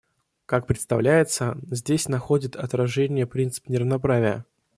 Как представляется, здесь находит отражение принцип неравноправия.